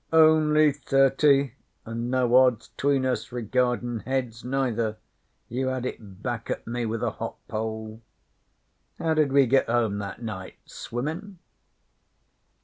'Only thirty, an' no odds 'tween us regardin' heads, neither. You had it back at me with a hop pole. How did we get home that night? Swimmin'?'